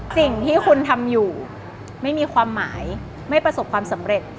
สิ่งที่คุณทำอยู่ไม่มีความหมายไม่ประสบความสำเร็จ